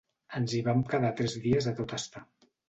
Ens hi vam quedar tres dies a tot estar.